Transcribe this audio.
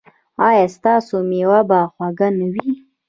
ایا ستاسو میوه به خوږه نه وي؟